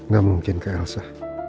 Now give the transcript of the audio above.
gak mungkin ke elsa